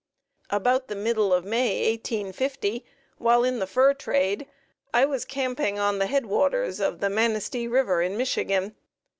... About the middle of May, 1850, while in the fur trade, I was camping on the head waters of the Manistee River in Michigan.